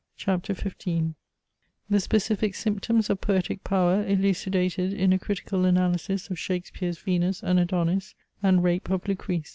CHAPTER XV The specific symptoms of poetic power elucidated in a critical analysis of Shakespeare's VENUS AND ADONIS, and RAPE of LUCRECE.